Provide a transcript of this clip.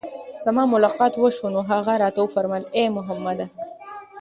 زما ملاقات وشو، نو هغه راته وفرمايل: اې محمد!